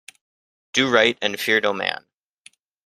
Do right and fear no man.